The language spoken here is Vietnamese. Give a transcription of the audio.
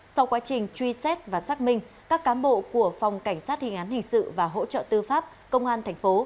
sau quá trình truy xét và xác minh các cán bộ của phòng cảnh sát hiền án hình sự và hỗ trợ tư pháp công an tp